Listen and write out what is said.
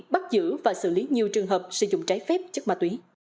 bắt giữ và xử lý nhiều trường hợp sử dụng trái phép chất ma túy